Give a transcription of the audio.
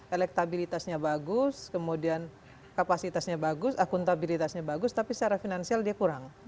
elektabilitasnya bagus kemudian kapasitasnya bagus akuntabilitasnya bagus tapi secara finansial dia kurang